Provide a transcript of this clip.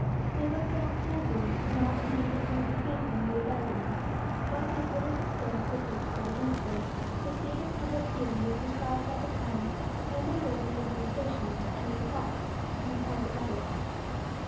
They looked on coldly, not indeed apparently favouring the rebellion, but as little disposed to take part against it. The state of public feeling was described at the time by a member of the administration, Henry Fox, in a private letter.